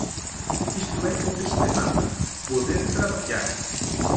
Isto é o que se demanda: poder traballar.